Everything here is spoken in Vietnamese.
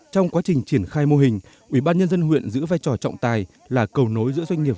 trong quá trình triển khai mô hình ubnd huyện giữ vai trò trọng tài là cầu nối giữa doanh nghiệp